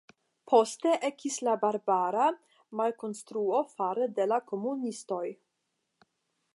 Poste ekis la barbara malkonstruo fare de la komunistoj.